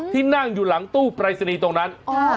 ที่นั่งอยู่หลังตู้ปรายศนีย์ตรงนั้น